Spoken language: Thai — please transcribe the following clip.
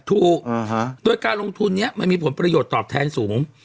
ถูกโดยการลงทุนนี้มันมีผลประโยชน์ตอบแทนสูง